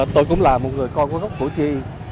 tôi cũng là một người con gốc củ chi